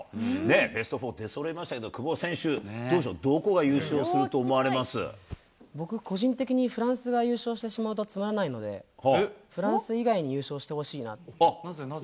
ベストフォー出そろいましたけど、久保選手、どうでしょう、どこが僕、個人的にフランスが優勝してしまうとつまらないので、フランス以なぜ？